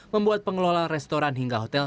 membuat pengelola restoran hingga hotel